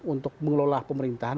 untuk mengelola pemerintahan